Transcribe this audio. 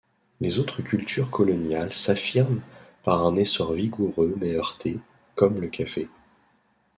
Les autres cultures coloniales s'affirment par un essor vigoureux mais heurté, comme le café.